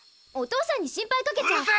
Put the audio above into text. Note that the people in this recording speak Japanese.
お父さんに心配かけちゃ。